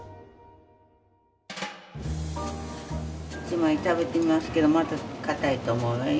１枚食べてみますけどまだ硬いと思うわよ